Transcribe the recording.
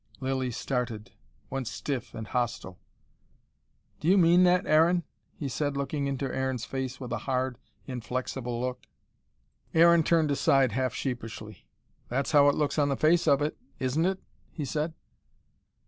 Lilly started, went stiff and hostile. "Do you mean that, Aaron?" he said, looking into Aaron's face with a hard, inflexible look. Aaron turned aside half sheepishly. "That's how it looks on the face of it, isn't it?" he said.